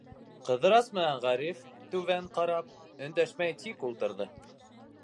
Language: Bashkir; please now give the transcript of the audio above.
Ҡыҙырас менән Ғариф, түбән ҡарап, өндәшмәй тик ултырҙы.